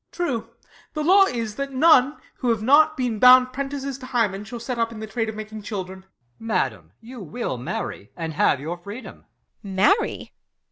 Ben. True, the law is, that none, who have not been Bound prentices to Hymen, shall set up In the trade of making children. EscH. Madam, you will marry, and have your freedom. Beat. Marry